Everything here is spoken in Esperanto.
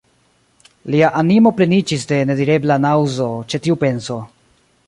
Lia animo pleniĝis de nedirebla naŭzo ĉe tiu penso.